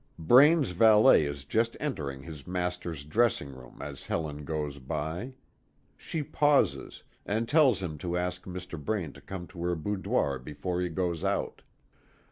Braine's valet is just entering his master's dressing room as Helen goes by. She pauses, and tells him to ask Mr. Braine to come to her boudoir before he goes out.